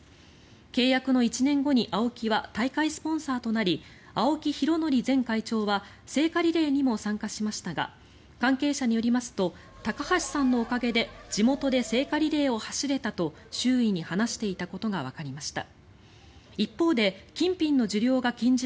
契約の１年後にＡＯＫＩは大会スポンサーとなり青木拡憲前会長は聖火リレーにも参加しましたが関係者によりますと高橋さんのおかげで地元で聖火リレーを走れたと周囲に話していたことがわかりました。